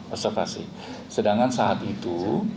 observasi sedangkan saat itu